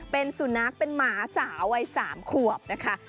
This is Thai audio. เป็นสูรนักเป็นหมาสาวไอ้๓ขวบนะครับ